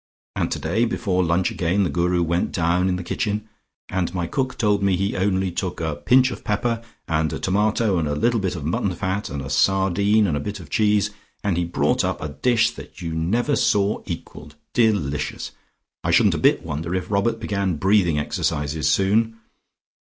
And today before lunch again, the Guru went down in the kitchen, and my cook told me he only took a pinch of pepper and a tomato and a little bit of mutton fat and a sardine and a bit of cheese, and he brought up a dish that you never saw equalled. Delicious! I shouldn't a bit wonder if Robert began breathing exercises soon.